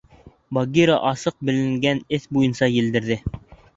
Багира асыҡ беленгән эҙ буйынса елдерҙе.